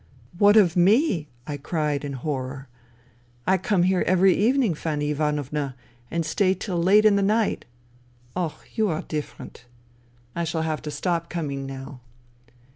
" What of me !" I cried in horror. " I come here every evening, Fanny Ivanovna, and stay till late in the night." " Oh, you are different." " I shall have to stop coming now."